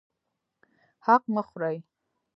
حق مه خورئ